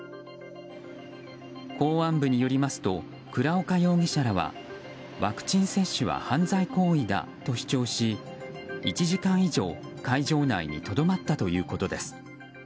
公安部によりますと倉岡容疑者らはワクチン接種は犯罪行為だと主張し１時間以上、会場内にとどまったということです。